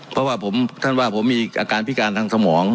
เพราะว่าท่านว่าผมมีอาการพิการทางสมอง